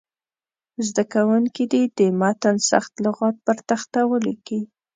زده کوونکي دې د متن سخت لغات پر تخته ولیکي.